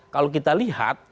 kalau kita lihat